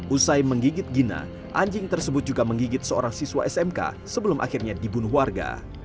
usai menggigit gina anjing tersebut juga menggigit seorang siswa smk sebelum akhirnya dibunuh warga